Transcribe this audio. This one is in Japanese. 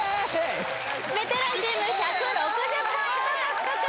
ベテランチーム１６０ポイント獲得